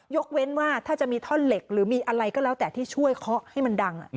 เว้นว่าถ้าจะมีท่อนเหล็กหรือมีอะไรก็แล้วแต่ที่ช่วยเคาะให้มันดัง